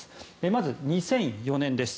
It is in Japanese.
まず２００４年です。